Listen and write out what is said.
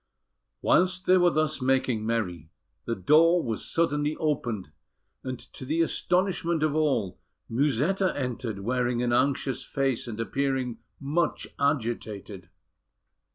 Whilst they were thus making merry, the door was suddenly opened; and to the astonishment of all, Musetta entered, wearing an anxious face, and appearing much agitated.